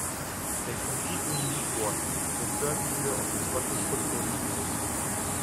They compete in League One, the third tier of the Scottish football league system.